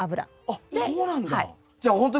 あっそうなんだ！